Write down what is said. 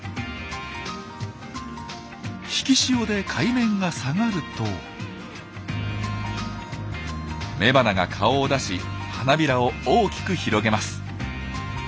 引き潮で海面が下がると雌花が顔を出し花びらを大きく広げます。